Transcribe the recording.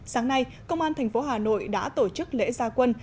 sáng nay công an thành phố hà nội đã tổ chức lễ gia quân